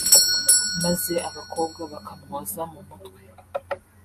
maze abakobwa bakamwoza mu mutwe